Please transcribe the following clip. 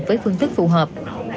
với phương thức phù hợp